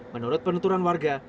menurut penuturan warga